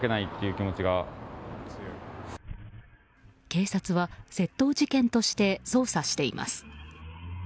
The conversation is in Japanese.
警察は窃盗事件として捜査しています。